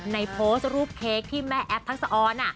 โพสต์รูปเค้กที่แม่แอฟทักษะออน